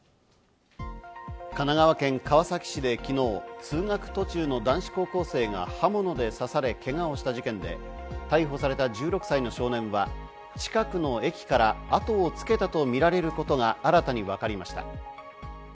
神奈川県川崎市で昨日、通学途中の男子高校生が刃物で刺され、けがをした事件で、逮捕された１６歳の少年は近くの駅から後をつけたとみられることが新たに分かりました。